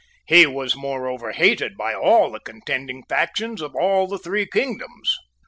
He was moreover hated by all the contending factions of all the three kingdoms.